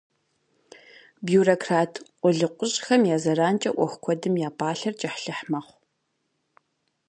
Бюрократ къулыкъущӏэхэм я зэранкӏэ ӏуэху куэдым я пӏалъэр кӏыхьлӏыхь мэхъу.